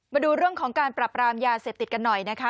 มาดูเรื่องของการปรับรามยาเสพติดกันหน่อยนะคะ